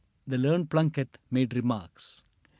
The learned Plunket made remarks.